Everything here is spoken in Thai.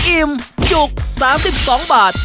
อิ่มจุก๓๒บาท